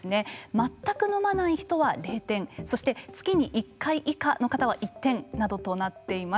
全く飲まない人は０点そして、月に１回以下の方は１点などとなっています。